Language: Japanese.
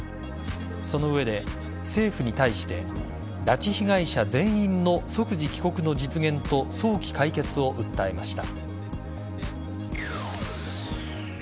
その上で、政府に対して拉致被害者全員の即時帰国の実現と早期解決を訴えました。